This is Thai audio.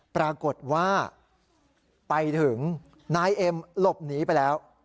ปรากฏว่าไปถึงนายเอ็มหลบหนีไปแล้ว